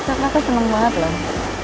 tapi aku seneng banget loh